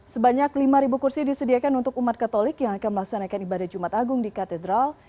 sebanyak lima kursi disediakan untuk umat katolik yang akan melaksanakan ibadah jumat agung di katedral